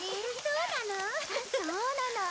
そうなの。